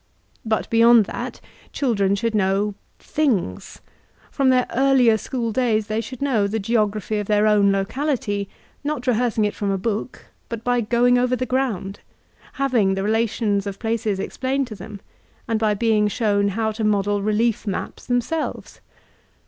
But beyond that children should know — things; from their earlier school days they should know the geography of their own tocality, not rehearsing it from a book, but by going over the ground, having the relations of places ex plained to them, and by being shown how to model relief maps themselves.